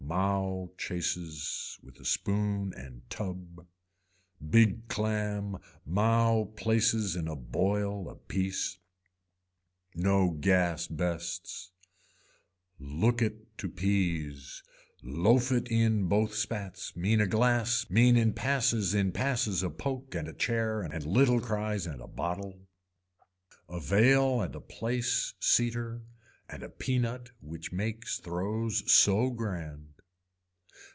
Mow chases in a spoon and tub, big clam, mow places in a boil a piece. No gas bests. Look it to peas, loaf it in both spats mean a glass mean in passes in passes a poke and a chair and little cries and a bottle. A veil and a place seater and a peanut which makes throws so grand.